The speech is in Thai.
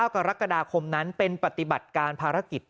กรกฎาคมนั้นเป็นปฏิบัติการภารกิจ